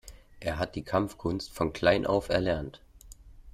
Er hat die Kampfkunst von klein auf erlernt.